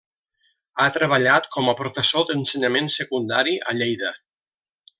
Ha treballat com a professor d'ensenyament secundari a Lleida.